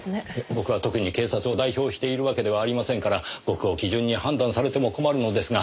僕は特に警察を代表しているわけではありませんから僕を基準に判断されても困るのですが。